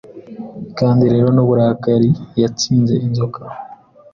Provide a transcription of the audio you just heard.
Kandi rero nuburakari Yatsinze Inzoka